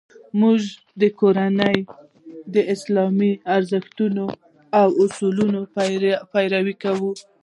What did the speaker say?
زموږ کورنۍ د اسلامي ارزښتونو او اصولو پیروي کوي